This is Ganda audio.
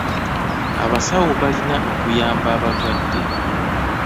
Abasawo balina okuyamba abalwadde.